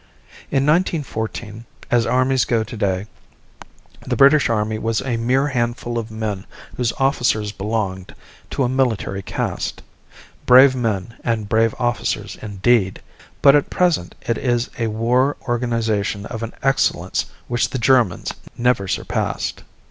In 1914, as armies go today, the British Army was a mere handful of men whose officers belonged to a military caste. Brave men and brave officers, indeed! But at present it is a war organization of an excellence which the Germans never surpassed.